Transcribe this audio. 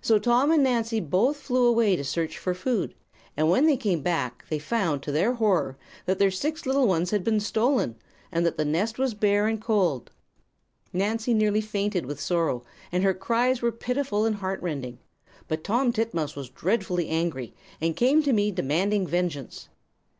So Tom and Nancy both flew away to search for food, and when they came back they found, to their horror, that their six little ones had been stolen, and the nest was bare and cold. Nancy nearly fainted with sorrow, and her cries were pitiful and heart rending; but Tom Titmouse was dreadfully angry, and came to me demanding vengeance.